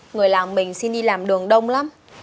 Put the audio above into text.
người làm mình xin đi làm đường đông lắm